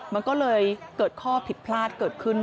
มันก็เลยเกิดข้อผิดพลาดเกิดขึ้น